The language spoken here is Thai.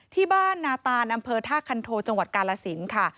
ที่บ้านนาตานอำเภอท่าคันโทจังหวัดกาลสินค่ะ